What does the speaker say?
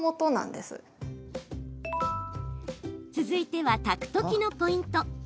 続いては、炊くときのポイント。